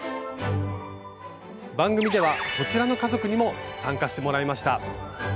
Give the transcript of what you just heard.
番組ではこちらの家族にも参加してもらいました。